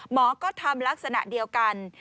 หมอก็ทำลักษณะเดียวกัน